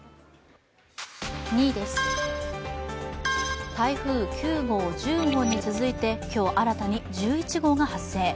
２位です、台風９号、１０号に続いて今日、新たに１１号が発生。